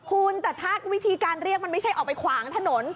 คุณแต่ถ้าวิธีการเรียกมันไม่ใช่ออกไปขวางถนน